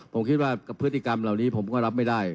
ผมคิดว่าพฤติกรรมเหล่านี้ผมก็รับไม่ได้